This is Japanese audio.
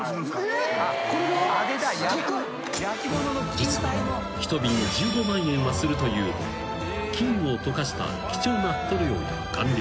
［実は一瓶１５万円はするという金を溶かした貴重な塗料や顔料］